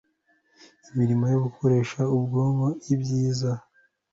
imirimo yo gukoresha ubwonko, ibyiza